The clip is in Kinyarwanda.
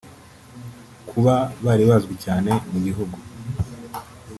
Kuba bari bazwi cyane mu gihugu